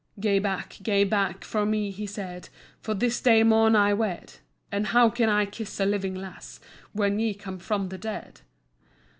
"Gae back, gae back frae me," he said, "For this day maun I wed, And how can I kiss a living lass, When ye come frae the dead?